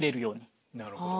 なるほど。